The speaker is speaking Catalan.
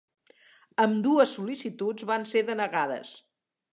Ambdues sol·licituds van ser denegades.